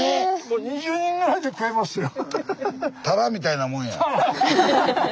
２０人ぐらいで食えますよ。